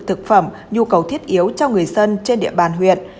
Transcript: thực phẩm nhu cầu thiết yếu cho người dân trên địa bàn huyện